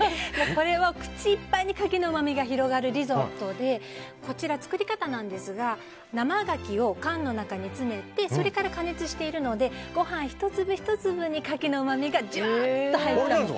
これは、口いっぱいに牡蠣のうまみが広がるリゾットで作り方なんですが生牡蠣を缶の中に詰めてそれから加熱しているのでご飯１粒１粒に牡蠣のうまみがジュワッと入っています。